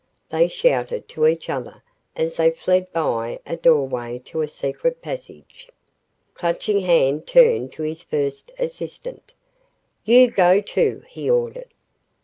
they shouted to each other as they fled by a doorway to a secret passage. Clutching Hand turned to his first assistant. "You go too," he ordered. ......